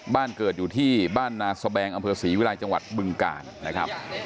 บ้านเกิดอยู่ที่บ้านนาสแบงอำเภอศรีวิรัยจังหวัดบึงกาลนะครับ